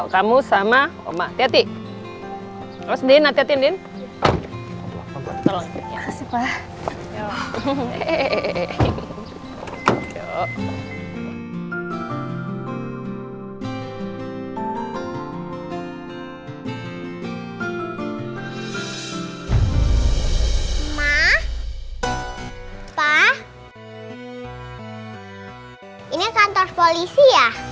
kau mas ada di kantor polisi